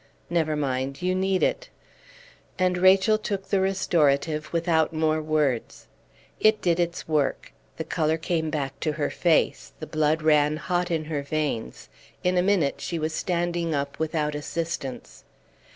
"Never mind. You need it." And Rachel took the restorative without more words. It did its work. The color came back to her face. The blood ran hot in her veins. In a minute she was standing up without assistance.